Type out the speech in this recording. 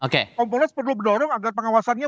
kompolres perlu berdorong agar pengawasannya